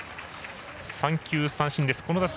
三球三振です。